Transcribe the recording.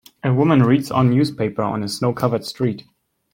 A woman reads on newspaper on a snow covered street.